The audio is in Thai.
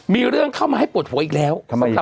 มีเรื่องเข้ามาให้ปวดหัวอีกแล้วทำไมอีกครับ